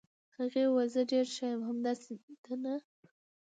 هغې وویل: زه ډېره ښه یم، همداسې ده، نه؟